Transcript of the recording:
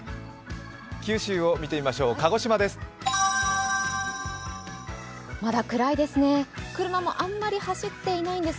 九州を見てみましょう、鹿児島です。